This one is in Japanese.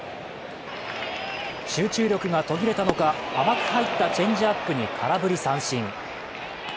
集中力が途切れたのか、甘く入ったチェンジアップに空振り三振。